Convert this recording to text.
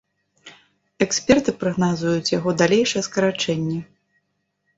Эксперты прагназуюць яго далейшае скарачэнне.